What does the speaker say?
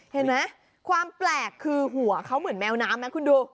เห็นไหมความแปลกคือหัวเขาเหมือนแมวน้ำไหมคุณดู